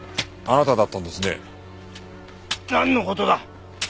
なんの事だ？